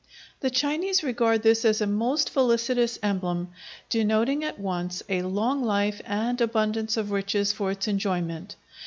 The Chinese regard this as a most felicitous emblem, denoting at once a long life and abundance of riches for its enjoyment.